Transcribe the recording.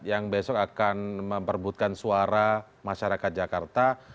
yang besok akan memperbutkan suara masyarakat jakarta